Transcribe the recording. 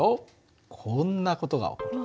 こんな事が起こる。